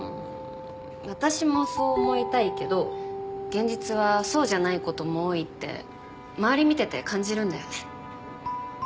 私もそう思いたいけど現実はそうじゃないことも多いって周り見てて感じるんだよね。